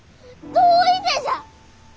どういてじゃ！